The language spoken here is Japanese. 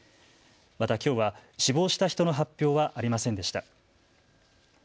また、きょうは死亡した人の発表はありませんでした。